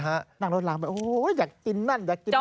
นั่งรถลางกันโอ้โฮอยากกินนั่นอยากกินนั่น